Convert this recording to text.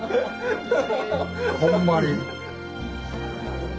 ほんまに。